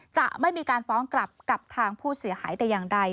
จะไม่มีการฟ้องกลับกับทางผู้เสียหายแต่อย่างใด